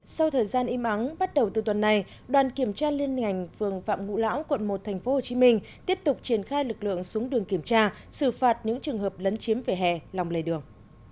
sau thời gian im ắng bắt đầu từ tuần này đoàn kiểm tra liên ngành phường phạm ngũ lão quận một tp hcm tiếp tục triển khai lực lượng xuống đường kiểm tra xử phạt những trường hợp lấn chiếm vỉa hè lòng lề đường